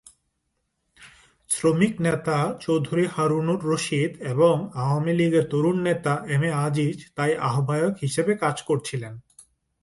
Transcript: শ্রমিক নেতা চৌধুরী হারুনুর রশীদ এবং আওয়ামী লীগের তরুণ নেতা এম এ আজিজ তাই আহবায়ক হিসাবে কাজ করছিলেন।